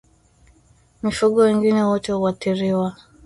Mifugo wengine wote huathiriwa